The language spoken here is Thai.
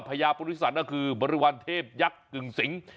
พญาปริศาจนั่นคือบริวารเทพยักษ์กึ่งสิงศ์